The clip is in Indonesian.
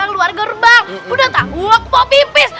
keluar gerbang udah tak waktu pipis